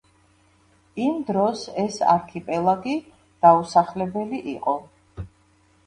იმ დროს ეს არქიპელაგი დაუსახლებელი იყო.